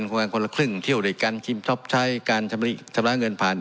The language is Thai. ประมาณคนละครึ่งเที่ยวด้วยกันชิมช็อปใช้การชำระเงินผ่าน